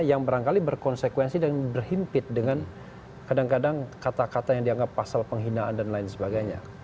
yang barangkali berkonsekuensi dan berhimpit dengan kadang kadang kata kata yang dianggap pasal penghinaan dan lain sebagainya